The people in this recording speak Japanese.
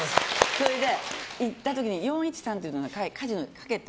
それで行った時に４１３っていうのがカジノでかけた。